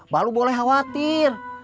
baru boleh khawatir